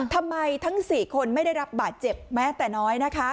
ทั้ง๔คนไม่ได้รับบาดเจ็บแม้แต่น้อยนะคะ